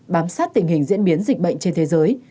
bám sát tình hình diễn biến dịch bệnh trên thế giới